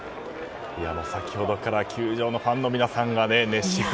先ほどから球場のファンの皆さんが、熱視線。